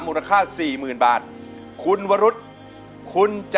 สู้สู้สู้สู้สู้สู้